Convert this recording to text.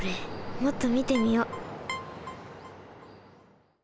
もっとみてみよう。